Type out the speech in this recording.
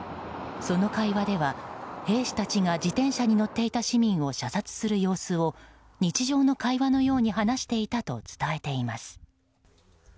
その会話では、兵士たちが自転車に乗っていた市民を射殺する様子を日常の会話のように話していたと伝えています。